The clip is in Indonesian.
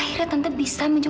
kapa dia jauh